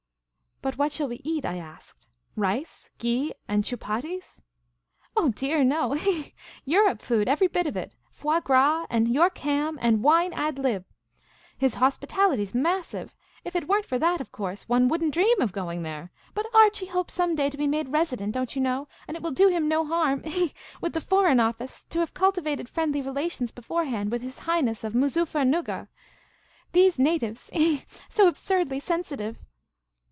" But what shall we eat?" I asked. " Rice, ghee, and chupatties ?''" Oh dear no — he, he, he— Europe food, every bit of it. Foie gras, and York ham, and wine ad lib. His hospitality 's massive. If it were n't for that, of course, one would n't dream of going there. But Archie hopes some day to be made Resident, don't you know; and it will do him no harm — he, he, he — with the Foreign Office, to have cultivated friendly relations beforehand with His Highness of Moo zuffernuggar. These natives — he, he, he — so absurdly sensitive